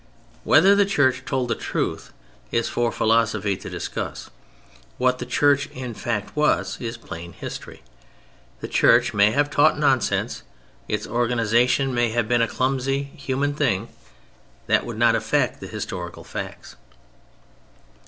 Whether the Church told the truth is for philosophy to discuss: What the Church in fact was is plain history. The Church may have taught nonsense. Its organization may have been a clumsy human thing. That would not affect the historical facts.